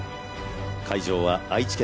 会場は愛知県